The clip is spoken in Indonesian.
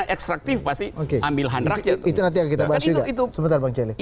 ekstraktif pasti oke ambil handrake itu nanti kita berhasil itu sebenarnya itu poin krusialnya bukan